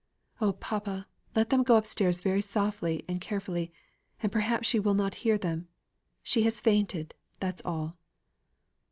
Oh, papa, let them go upstairs very softly and carefully, and perhaps she will not hear them. She has fainted that's all."